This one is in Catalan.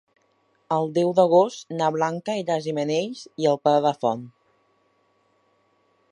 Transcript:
El deu d'agost na Blanca irà a Gimenells i el Pla de la Font.